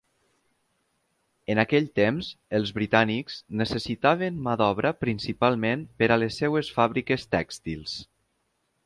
En aquell temps, els britànics necessitaven mà d'obra principalment per a les seves fàbriques tèxtils.